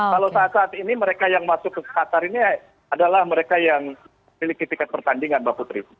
kalau saat saat ini mereka yang masuk ke qatar ini adalah mereka yang memiliki tiket pertandingan mbak putri